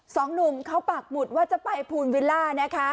สองหนุ่มเขาปากหมุดว่าจะไปภูนวิลล่านะคะ